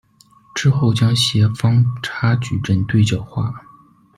之后将协方差矩阵对角化。